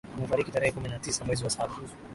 Amefariki tarehe kumi na tisa mwezi wa saba